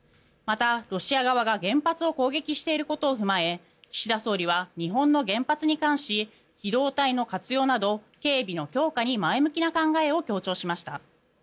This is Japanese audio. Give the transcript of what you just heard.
また、ロシア側が原発を攻撃していることを踏まえ岸田総理は日本の原発に関し機動隊の活用など警備の強化に前向きな考えを強調しました。